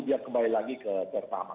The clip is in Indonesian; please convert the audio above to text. biar kembali lagi ke pertamax